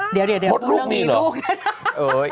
เดี๋ยวพวกนั้นมีลูกนะ